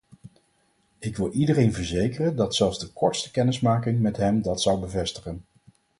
Ik wil iedereen verzekeren dat zelfs de kortste kennismaking met hem dat zou bevestigen.